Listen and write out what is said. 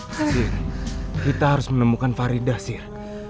sir kita harus menemukan faridah sir